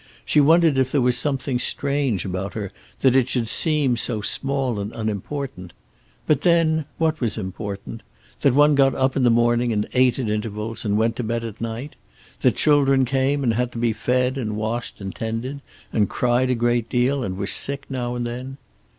She wondered if there was something strange about her, that it should seem so small and unimportant. But then, what was important? That one got up in the morning, and ate at intervals, and went to bed at night? That children came, and had to be fed and washed and tended, and cried a great deal, and were sick now and then?